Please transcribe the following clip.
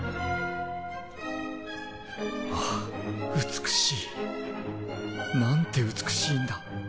あぁ美しい。なんて美しいんだ。